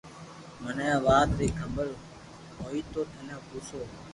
مني اي وات ري خبر ھوئي تو تني پوسو